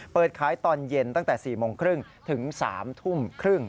เปิดขายตอนเย็นตั้งแต่๔โมงครึ่งถึง๓ทุ่มครึ่ง